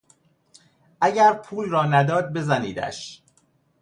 اگر پول را نداد بزنیدش!